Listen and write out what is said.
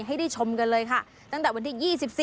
ให้ได้ชมกันเลยค่ะตั้งแต่วันที่๒๔